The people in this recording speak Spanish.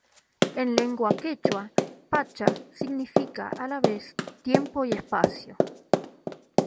En lengua quechua, "pacha" significa, a la vez, tiempo y espacio.